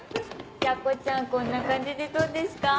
チャコちゃんこんな感じでどうですか？